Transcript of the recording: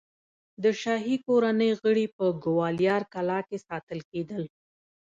د شاهي کورنۍ غړي په ګوالیار کلا کې ساتل کېدل.